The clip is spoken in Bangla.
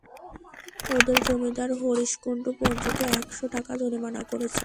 ওদের জমিদার হরিশ কুণ্ডু পঞ্চুকে এক-শো টাকা জরিমানা করেছে।